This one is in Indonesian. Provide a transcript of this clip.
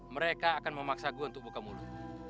mereka akan memaksa gue untuk buka mulut